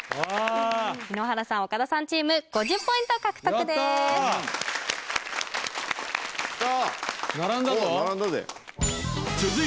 井ノ原さん岡田さんチーム５０ポイント獲得ですやった！